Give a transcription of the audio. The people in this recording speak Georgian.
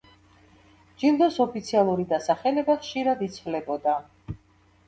ჯილდოს ოფიციალური დასახელება ხშირად იცვლებოდა.